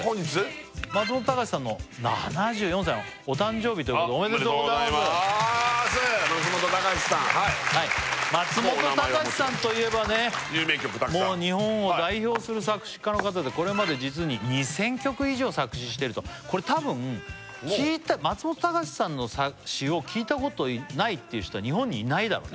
松本隆さんの７４歳のお誕生日ということでおめでとうございます松本隆さんはい松本隆さんといえばね有名曲たくさんもう日本を代表する作詞家の方でこれまで実に２０００曲以上作詞してるとこれ多分松本隆さんの詞を聴いたことないっていう人は日本にいないだろうね